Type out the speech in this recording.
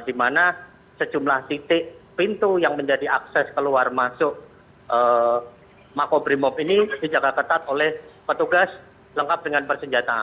di mana sejumlah titik pintu yang menjadi akses keluar masuk makobrimob ini dijaga ketat oleh petugas lengkap dengan bersenjata